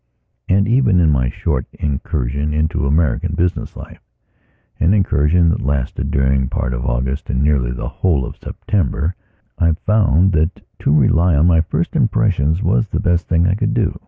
And, even in my short incursion into American business lifean incursion that lasted during part of August and nearly the whole of SeptemberI found that to rely upon first impressions was the best thing I could do.